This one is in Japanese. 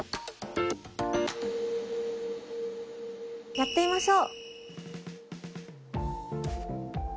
やってみましょう。